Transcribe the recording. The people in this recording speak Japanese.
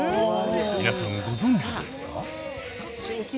皆さんご存じですか？